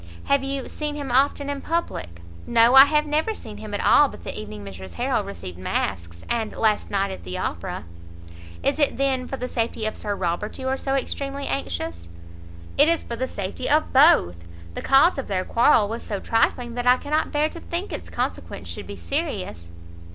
"Have you seen him often in public?" "No, I have never seen him at all but the evening Mrs Harrel received masks, and last night at the Opera." "Is it, then, for the safety of Sir Robert you are so extremely anxious?" "It is for the safety of both; the cause of their quarrel was so trifling, that I cannot bear to think its consequence should be serious."